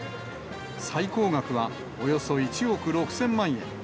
最高額はおよそ１億６０００万円。